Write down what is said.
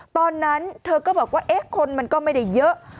ตอนนั้นเธอก็บอกว่าเอ๊ะคนมันก็ไม่ได้เยอะ